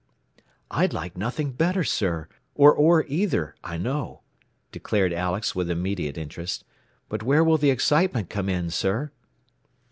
"I'd like nothing better, sir, or Orr either, I know," declared Alex with immediate interest. "But where will the excitement come in, sir?"